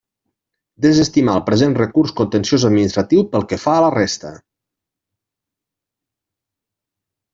Desestimar el present recurs contenciós administratiu pel que fa a la resta.